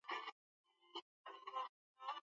uchovu huu unadumu baada ya virusi kusababisha ukimwi